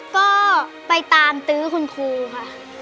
ก็ไปตามตื้อคุณครูค่ะ